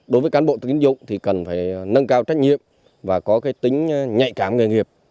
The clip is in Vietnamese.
đối với cán bộ tín dụng thì cần phải nâng cao trách nhiệm và có cái tính nhạy cảm nghề nghiệp